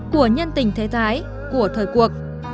của nhân tình thế thái của thời cuộc